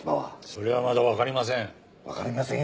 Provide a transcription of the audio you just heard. それはまだわかりません。